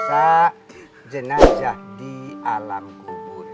justru aku bisa jenazah di alam kuburnya